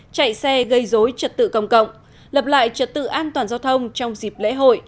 chạy xe gây dối trật tự công cộng lập lại trật tự an toàn giao thông trong dịp lễ hội